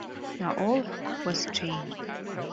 Now all was changed.